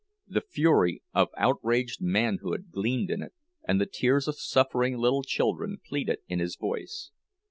The fury of outraged manhood gleamed in it—and the tears of suffering little children pleaded in his voice.